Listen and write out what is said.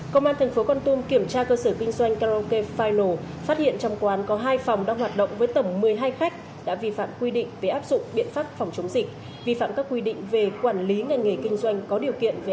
công an thành phố con tum kiểm tra cơ sở kinh doanh karaoke fil phát hiện trong quán có hai phòng đang hoạt động với tổng một mươi hai khách đã vi phạm quy định về áp dụng biện pháp phòng chống dịch vi phạm các quy định về quản lý ngành nghề kinh doanh có điều kiện về